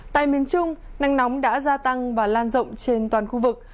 tại miền trung nắng nóng đã gia tăng và lan rộng trên toàn khu vực